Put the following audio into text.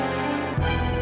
tante kita harus berhenti